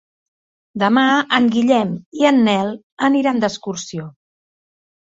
Demà en Guillem i en Nel aniran d'excursió.